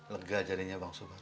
lega jadinya pak sobari